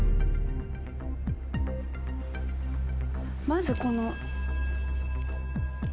まずこの。